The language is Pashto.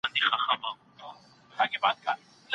باسواده ښځه خپل ماشومان بېسواده نه پرېږدي.